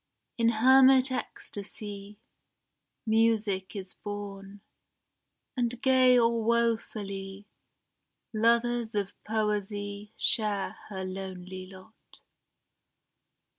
In hermit ecstasy Music is born, and gay or wofully Lovers of Poesy share her lonely lot.